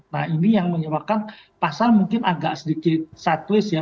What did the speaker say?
nah ini yang menyebabkan pasar mungkin agak sedikit sideways ya